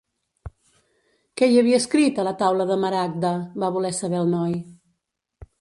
"Què hi havia escrit a la Taula de Maragda?" va voler saber el noi.